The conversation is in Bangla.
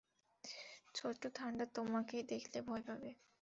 ছোট্ট থান্ডার তোমাকে দেখলে ভয় পাবে।